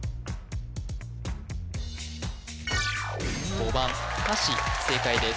５番かし正解です